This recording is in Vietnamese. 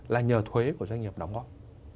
là nhờ thuế của doanh nghiệp đóng góp